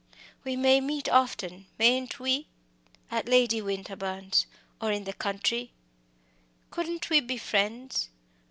"We may meet often mayn't we? at Lady Winterbourne's or in the country? Couldn't we be friends?